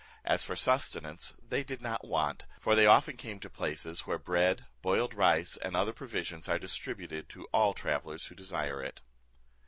As for sustenance, they did not want, for they often came to places where bread, boiled rice, and other provisions are distributed to all travellers who desire it.